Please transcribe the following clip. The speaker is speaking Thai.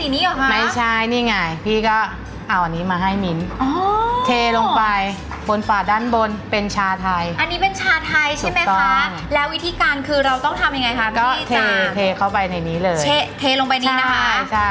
ไม่ใช่นี่ไงพี่ก็เอาอันนี้มาให้มิ้นเทลงไปบนฝาด้านบนเป็นชาไทยอันนี้เป็นชาไทยใช่ไหมคะแล้ววิธีการคือเราต้องทำยังไงคะก็เทเข้าไปในนี้เลยเทลงไปนี้นะคะ